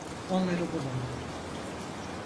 Onları bulun.